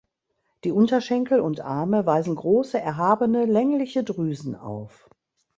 Die Unterschenkel und -arme weisen große, erhabene, längliche Drüsen auf.